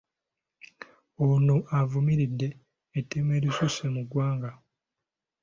Ono avumiridde ettemu erisusse mu ggwanga.